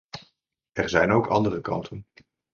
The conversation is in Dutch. Er zijn ook andere kanten.